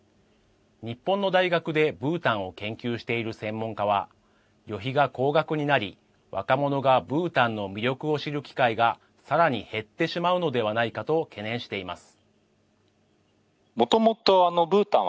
日本の大学でブータンを研究している専門家は旅費が高額になり若者がブータンの魅力を知る機会がさらに減ってしまうのではないかと懸念しています。